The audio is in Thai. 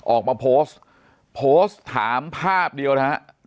ออกมาโพสต์โพสต์ถามภาพเดียวนะฮะ